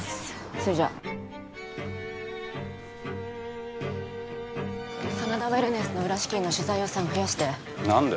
それじゃ真田ウェルネスの裏資金の取材予算増やして何で？